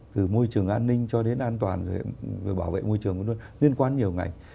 từ môi trường an ninh cho đến an toàn về bảo vệ môi trường liên quan nhiều ngành